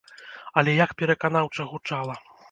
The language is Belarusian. Але як пераканаўча гучала!